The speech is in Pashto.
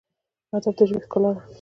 ادب د ژبې ښکلا ده